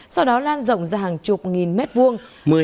đám cháy đã rộng ra hàng chục nghìn mét vuông